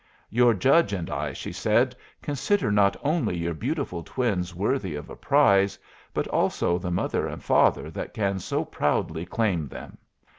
"Your judge and I," she said, "consider not only your beautiful twins worthy of a prize, but also the mother and father that can so proudly claim them."